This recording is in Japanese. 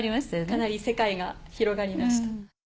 かなり世界が広がりました。